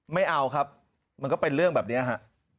ไม่เอาครับมันก็เป็นเรื่องแบบนี้ฮะ